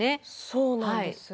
そうなんです。